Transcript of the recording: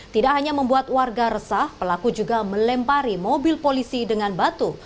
tidak hanya membuat warga resah pelaku juga melempari mobil polisi dengan batu